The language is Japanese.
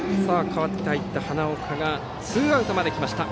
代わって入った花岡がツーアウトまできました。